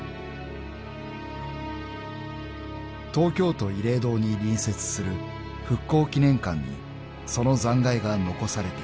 ［東京都慰霊堂に隣接する復興記念館にその残骸が残されている］